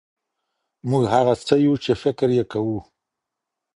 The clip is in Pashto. موږ هغه څه یو چي فکر یې کوو.